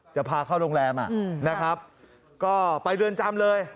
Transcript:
จะพาเข้าโรงแรมนะครับก็ไปเรือนจำเลย